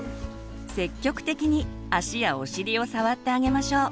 積極的に足やお尻を触ってあげましょう。